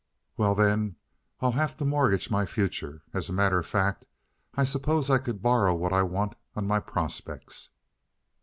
"Well, then, I'll have to mortgage my future. As a matter of fact, I suppose I could borrow what I want on my prospects."